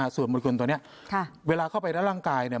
ส่วนบริกรุณตัวเนี้ยค่ะเวลาเข้าไปแล้วร่างกายเนี้ย